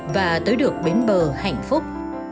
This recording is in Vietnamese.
và tới được bến bờ hạnh phúc